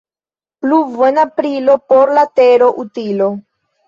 Pluvo en Aprilo — por la tero utilo.